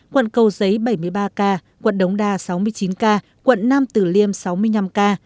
quận cầu giấy bảy mươi ba ca quận đống đa sáu mươi chín ca quận nam tử liêm sáu mươi năm ca